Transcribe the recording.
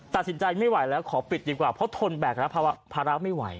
ตัดสินใจไม่ไหวแล้วขอปิดดีกว่าเพราะทนแบกแล้วเพราะว่าพระราชไม่ไหว